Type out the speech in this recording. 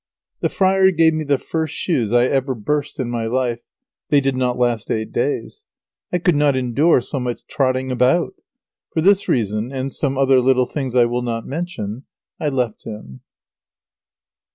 The friar gave me the first shoes I ever burst in my life. They did not last eight days. I could not endure so much trotting about. For this reason, and some other little things I will not mention, I left him.